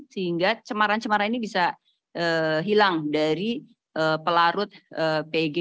sehingga cemaran cemaran ini bisa hilang dari pelarut pg